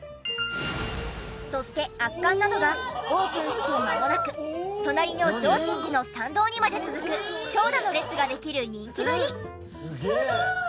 そして圧巻なのがオープンしてまもなく隣の淨眞寺の参道にまで続く長蛇の列ができる人気ぶり！